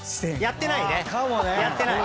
やってない。